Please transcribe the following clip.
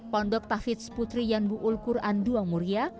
pondok tafidz putri yanbu ulquran duang muria